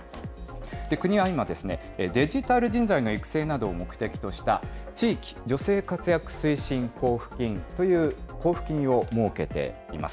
国は今ですね、デジタル人材の育成などを目的とした、地域女性活躍推進交付金という交付金を設けています。